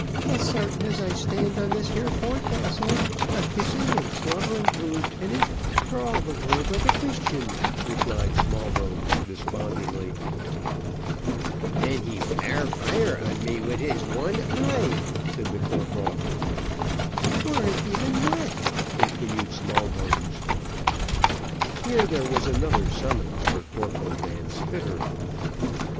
"As sartin as I stands on this here forecastle a kissing and slobbering the lieutenant for all the world like a Christian," replied Smallbones, despondingly. "Then he flare fire on me wid his one eye," said the corporal. "Warn't even wet," continued Smallbones. Here there was another summons for Corporal Van Spitter.